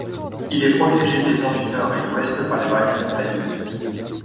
Il est protégé des vents du nord et d'ouest par les barrières montagneuses.